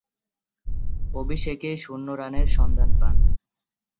অভিষেকেই শূন্য রানের সন্ধান পান।